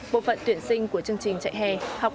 bộ phận tuyển sinh của chương trình trại hè học lạc